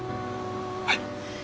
はい。